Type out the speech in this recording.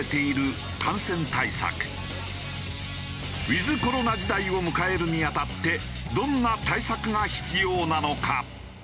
ウィズコロナ時代を迎えるにあたってどんな対策が必要なのか？